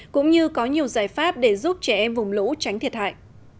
cũng như có nhiều giải pháp để giúp trẻ em vùng lũ tránh thiệt hại